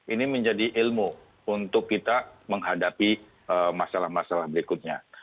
ini menjadi ilmu untuk kita menghadapi masalah masalah berikutnya